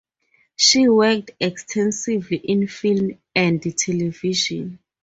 She worked extensively in film and television.